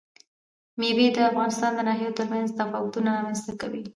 مېوې د افغانستان د ناحیو ترمنځ تفاوتونه رامنځ ته کوي.